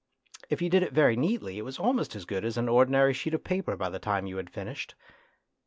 If you did it very neatly it was almost as good as an ordinary sheet of paper by the time you had finished.